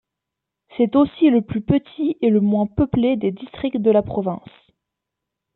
C'est aussi le plus petit et le moins peuplé des districts de la province.